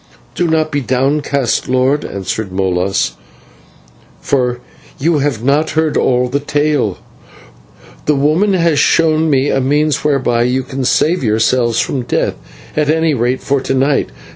"Do not be downcast, lord," answered Molas, "for you have not heard all the tale. The woman has shown me a means whereby you can save yourselves from death, at any rate for to night.